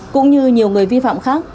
cũng như nhiều người vi phạm khác